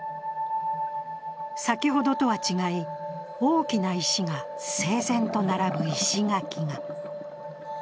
先ほどとは違い、大きな石が整然と並ぶ石垣が。